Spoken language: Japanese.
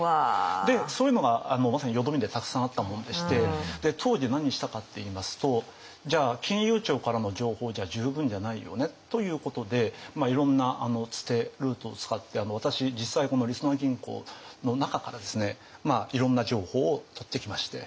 でそういうのがまさに淀みでたくさんあったもんでしてで当時何したかっていいますとじゃあ金融庁からの情報じゃ十分じゃないよねということでいろんなつてルートを使って私実際りそな銀行の中からですねいろんな情報を取ってきまして。